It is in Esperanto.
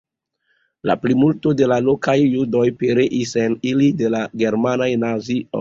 La plimulto de la lokaj judoj pereis en ili de la germanaj nazioj.